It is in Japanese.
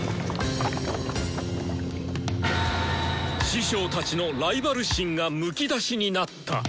師匠たちのライバル心がむき出しになった！